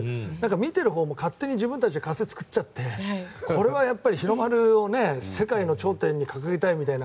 見ているほうも勝手に自分たちが枷を作っちゃってこれはやっぱり日の丸を世界の頂点に掲げたいみたいな。